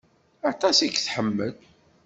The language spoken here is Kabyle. Aṭas i k-tḥemmel.